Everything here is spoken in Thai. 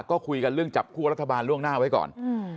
ก็คุยกันเรื่องจับคั่วรัฐบาลล่วงหน้าไว้ก่อน